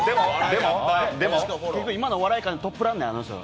でも、今のお笑い界トップランナーや。